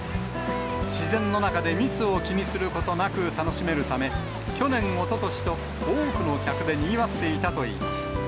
自然の中で密を気にすることなく楽しめるため、去年、おととしと、多くの客でにぎわっていたといいます。